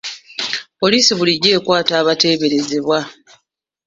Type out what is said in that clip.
Poliisi bulijjo ekwata abateeberezebwa.